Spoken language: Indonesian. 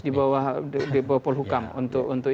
di bawah polhukam untuk itu